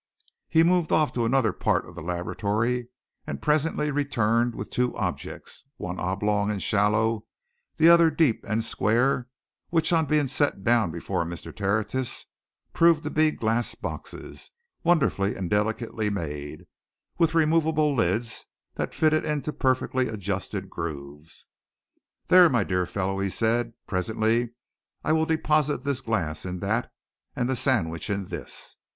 He moved off to another part of the laboratory, and presently returned with two objects, one oblong and shallow, the other deep and square, which on being set down before Mr. Tertius proved to be glass boxes, wonderfully and delicately made, with removable lids that fitted into perfectly adjusted grooves. "There, my dear fellow," he said. "Presently I will deposit the glass in that, and the sandwich in this.